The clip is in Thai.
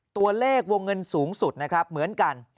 ตัวเลขวงเงินสูงสุดนะครับเหมือนกัน